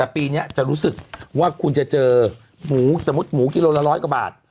แต่ปีนี้จะรู้สึกว่าคุณจะเจอหมูสมมุติหมูกิโลละร้อยกว่าบาท